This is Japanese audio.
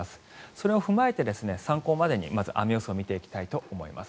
それを踏まえて参考までにまず雨予想を見ていきたいと思います。